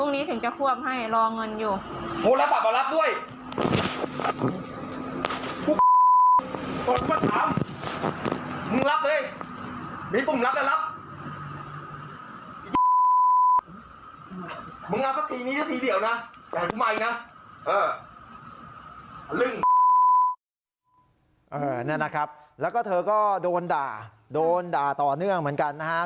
นี่นะครับแล้วก็เธอก็โดนด่าโดนด่าต่อเนื่องเหมือนกันนะฮะ